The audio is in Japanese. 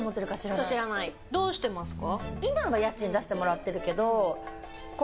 どうしてますか？